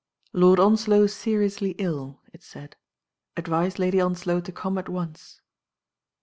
Lord Onslow seriously ill," it said. "Advise Lady Onslow to come at once.